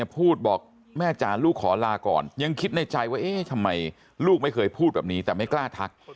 พูดบอกแม่จานลูกขอลาก่อนยังคิดในใจชมัยลูกไม่เคยพูดแบบนี้แต่ไม่กล้าทัก